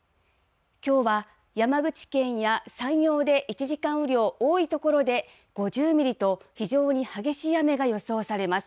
きょうは、山口県や山陽で、１時間雨量、多い所で５０ミリと、非常に激しい雨が予想されます。